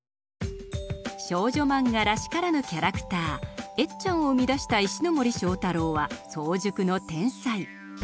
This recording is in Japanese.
少女漫画らしからぬキャラクターエッちゃんを生み出した石森章太郎は早熟の天才。